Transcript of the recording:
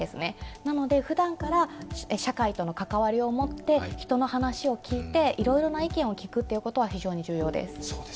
なのでふだんから社会との関わりを持って人の話を聞いて、いろいろな意見を聞くということは非常に重要です。